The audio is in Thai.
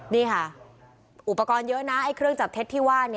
นี่ค่ะอุปกรณ์เยอะนะไอ้เครื่องจับเท็จที่ว่า